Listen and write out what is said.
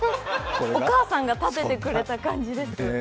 お母さんがたててくれた感じです。